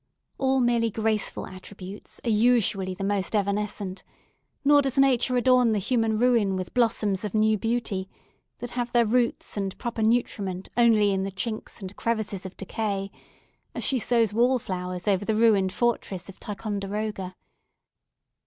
All merely graceful attributes are usually the most evanescent; nor does nature adorn the human ruin with blossoms of new beauty, that have their roots and proper nutriment only in the chinks and crevices of decay, as she sows wall flowers over the ruined fortress of Ticonderoga.